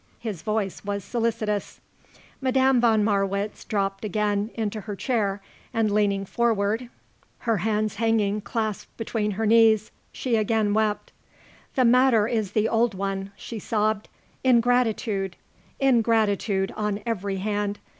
His voice was solicitous. Madame von Marwitz dropped again into her chair and leaning forward, her hands hanging clasped between her knees, she again wept. "The matter is the old one," she sobbed. "Ingratitude! Ingratitude on every hand!